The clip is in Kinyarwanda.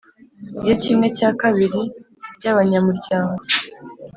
Iyo kimwe cyakabiri by abanyamuryango